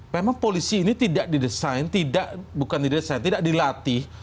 memang polisi ini tidak didesain tidak dilatih